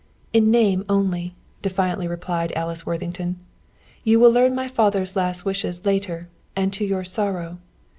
"In name only," defiantly replied Alice Worthington. "You will learn my father's last wishes later, and to your sorrow.